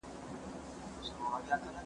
يتيمانو ته د هغوی حق وسپارئ.